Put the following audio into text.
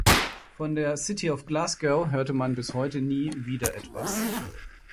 Von der "City of Glasgow" hörte man bis heute nie wieder etwas.